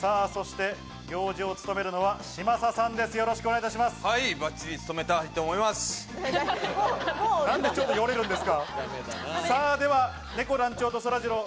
行司を務めるのは嶋佐さんです。